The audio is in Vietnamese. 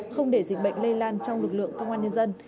không để dịch bệnh lây lan trong lực lượng công an nhân dân